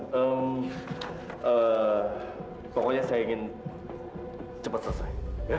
hmm pokoknya saya ingin cepat selesai